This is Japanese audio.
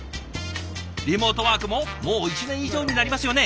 リモートワークももう１年以上になりますよね。